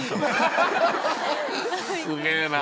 すげえな。